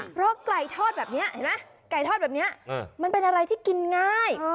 เพราะไก่ทอดแบบนี้เห็นไหมไก่ทอดแบบนี้มันเป็นอะไรที่กินง่าย